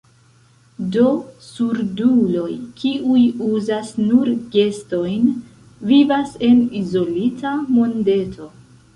Do, surduloj, kiuj uzas nur gestojn, vivas en izolita mondeto.